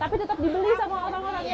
tapi tetap dibeli sama orang orang